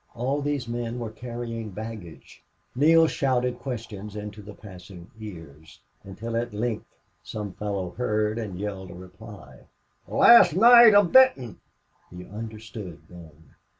All these men were carrying baggage. Neale shouted questions into passing ears, until at length some fellow heard and yelled a reply. The last night of Benton! He understood then.